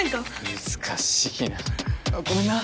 難しいな。